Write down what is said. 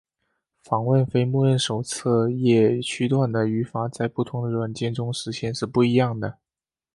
访问非默认手册页区段的语法在不同的软件实现中是不一样的。